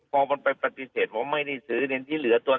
พอมันไปปฏิเสธว่าไม่ได้ซื้อ